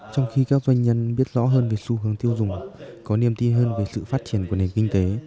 trong khi các doanh nhân biết rõ hơn về xu hướng tiêu dùng có niềm tin hơn về sự phát triển của nền kinh tế